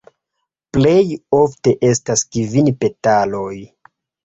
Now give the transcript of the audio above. Plej ofte estas kvin petaloj.